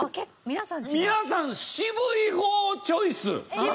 皆さん渋い方チョイス。